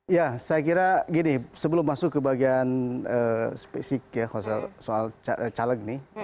ya saya kira gini sebelum masuk ke bagian spesifik ya soal caleg nih